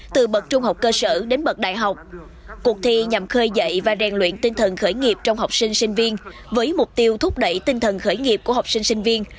từ bậc trung học cơ sở đến bậc đại học cuộc thi nhằm khơi dậy và rèn luyện tinh thần khởi nghiệp trong học sinh sinh viên với mục tiêu thúc đẩy tinh thần khởi nghiệp của học sinh sinh viên